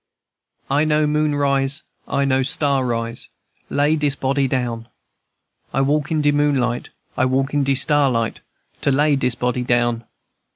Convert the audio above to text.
"I know moon rise, I know star rise, Lay dis body down. I walk in de moonlight, I walk in de starlight, To lay dis body down.